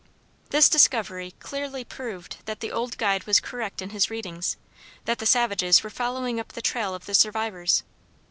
This discovery clearly proved that the old guide was correct in his readings, that the savages were following up the trail of the survivors.